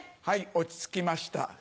はい落ち着きました。